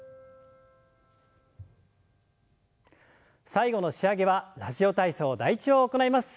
最後の仕上げは「ラジオ体操第１」を行います。